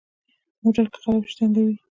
موټر که خراب شي، تنګوي.